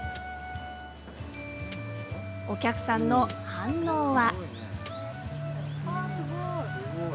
お客さんの反応は。